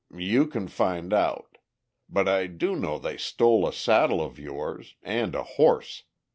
"You can find out. But I do know they stole a saddle of yours, and a horse.